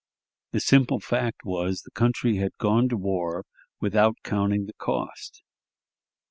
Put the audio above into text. The simple fact was, the country had gone to war without counting the cost.